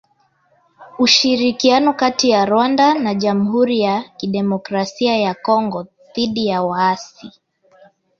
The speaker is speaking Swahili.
Ushirikiano kati ya Rwanda na Jamuhuri ya Kidemokrasia ya Kongo dhidi ya waasi